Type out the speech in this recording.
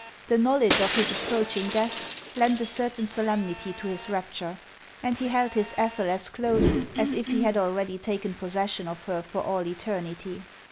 The knowledge of his approaching death lent a certain solemnity to his rapture ; and he held his Ethel as close as if he had already taken possession of her for all eternity.